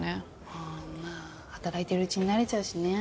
ああまあ働いてるうちに慣れちゃうしね。